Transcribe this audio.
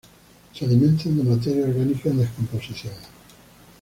Se alimentan de materia orgánica en descomposición.